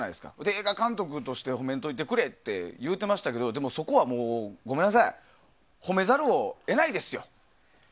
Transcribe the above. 映画監督として褒めんといてくれって言うてましたけどでも、そこはごめんなさい褒めざるを得ないですよ。